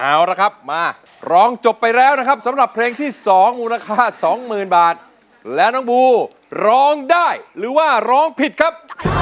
เอาละครับมาร้องจบไปแล้วนะครับสำหรับเพลงที่๒มูลค่าสองหมื่นบาทและน้องบูร้องได้หรือว่าร้องผิดครับ